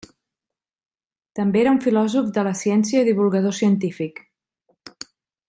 També era un filòsof de la ciència i divulgador científic.